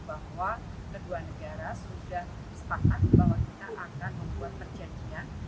bahwa kedua negara sudah sepakat bahwa kita akan membuat perjanjian